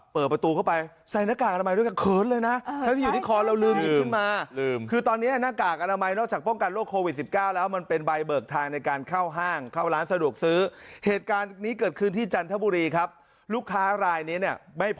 เปิดประตูเข้าไปใส่นักกากอนามัยด้วยกันเขินเลยนะ